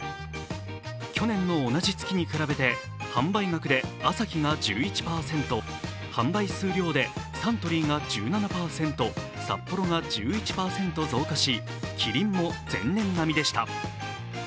去年の同じ月に比べて販売額でアサヒが１１％、販売数量でサントリーが１７％、サッポロが１１％増加し、キリンも前年並みでした。